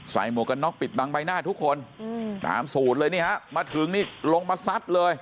หมวกกันน็อกปิดบังใบหน้าทุกคนตามสูตรเลยนี่ฮะมาถึงนี่ลงมาซัดเลย